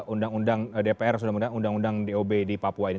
undang undang dpr undang undang dob di papua ini